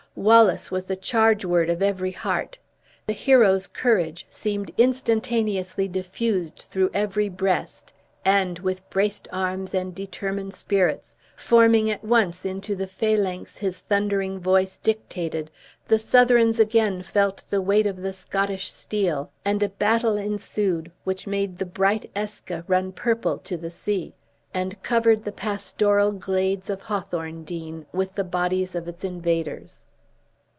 "Wallace!" was the chargeword of every heart. The hero's courage seemed instantaneously diffused through every breast; and, with braced arms and determined spirits, forming at once into the phalanx his thundering voice dictated, the Southrons again felt the weight of the Scottish steel; and a battle ensued, which made the bright Eske run purple to the sea, and covered the pastoral glades of Hawthorndean with the bodies of its invaders.